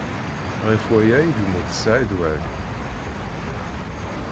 Ɣef waya ay yemmut Saɛid Waɛli.